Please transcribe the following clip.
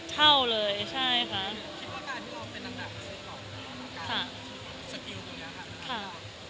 รู้สึกว่าเหลือทางขวาเท่ากันหรือเปล่า